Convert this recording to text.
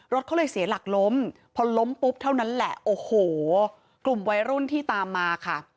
รถเขาเลยเสียหลักล้มพอล้มปุ๊บเท่านั้นแหละโอ้โหกลุ่มวัยรุ่นที่ตามมาค่ะ